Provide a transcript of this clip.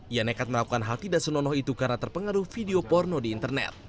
ia nekat melakukan hal tidak senonoh itu karena terpengaruh video porno di internet